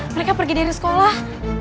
mereka pergi dari sekolah